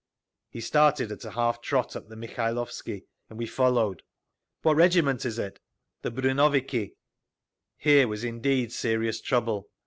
He started at a half trot up the Mikhailovsky, and we followed. "What regiment is it?" "The brunnoviki…." Here was indeed serious trouble.